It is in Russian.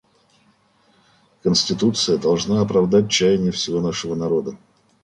Конституция должна оправдать чаяния всего нашего народа.